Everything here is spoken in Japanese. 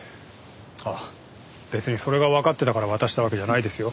あっ別にそれがわかってたから渡したわけじゃないですよ。